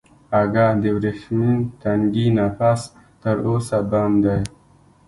اگه د ورېښمين تنګي نه پس تر اوسه بند دی.